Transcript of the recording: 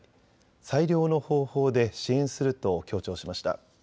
最良の方法で支援すると強調しました。